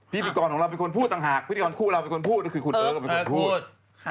พี่พี่กรของเราเป็นคนพูดต่างหากพี่พี่กรคู่ของเราเป็นคุณพูดคือคุณเอิ๊ะกเราเป็นคนพูด